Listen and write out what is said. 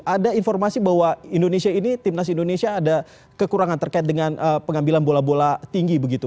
ada informasi bahwa indonesia ini timnas indonesia ada kekurangan terkait dengan pengambilan bola bola tinggi begitu